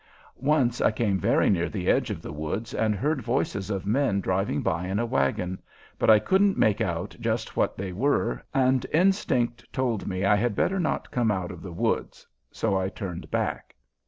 Once I came very near the edge of the woods and heard voices of men driving by in a wagon, but I couldn't make out just what they were, and instinct told me I had better not come out of the woods, so I turned back.